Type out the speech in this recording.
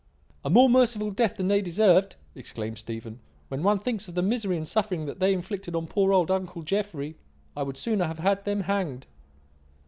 "A more merciful death than they deserved," exclaimed Stephen, "when one thinks of the misery and suffering that they inflicted on poor old uncle Jeffrey. I would sooner have had them hanged."